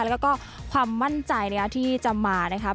แล้วก็ความมั่นใจที่จะมานะครับ